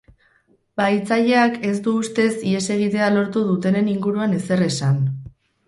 Bahitzaileak ez du ustez ihes egitea lortu dutenen inguruan ezer esan.